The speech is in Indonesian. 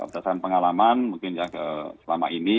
atasan pengalaman mungkin ya selama ini